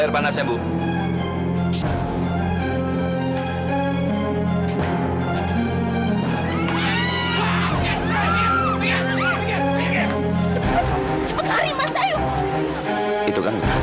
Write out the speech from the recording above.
bahwa bencariyu denganakra aku